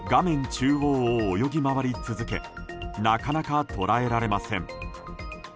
中央を泳ぎ回り続けなかなかとらえられません。